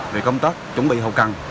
về công tác chuẩn bị hậu cằn